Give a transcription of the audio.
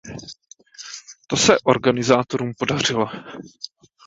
To se organizátorům podařilo.